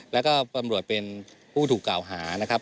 แล้วก็ตำรวจเป็นผู้ถูกกล่าวหานะครับ